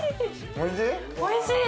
おいしい？